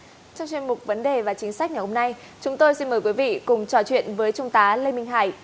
trong chuyên mục vấn đề và chính sách ngày hôm nay chúng tôi xin mời quý vị cùng trò chuyện với trung tá lê minh hải